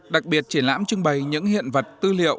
đặc biệt triển lãm trưng bày những hiện vật tư liệu